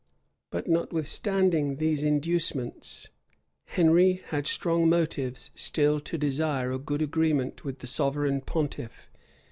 But notwithstanding these inducements, Henry had strong motives still to desire a good agreement with the sovereign pontiff.